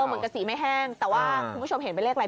เหมือนกับสีไม่แห้งแต่ว่าคุณผู้ชมเห็นเป็นเลขอะไร